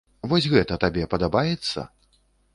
Вось гэта табе падабаецца?